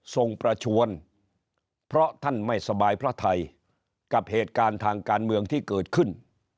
ประชวนเพราะท่านไม่สบายพระไทยกับเหตุการณ์ทางการเมืองที่เกิดขึ้น